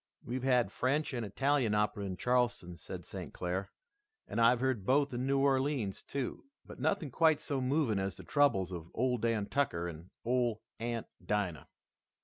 "We've had French and Italian opera in Charleston," said St. Clair, "and I've heard both in New Orleans, too, but nothing quite so moving as the troubles of Ole Dan Tucker and Ole Aunt Dinah."